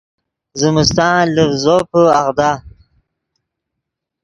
زمستان لڤز زوپے اغدا